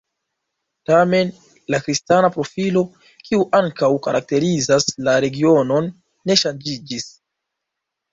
Tamen, la kristana profilo, kiu ankaŭ karakterizas la regionon, ne ŝanĝiĝis.